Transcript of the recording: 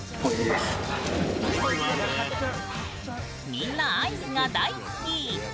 みんなアイスが大好き。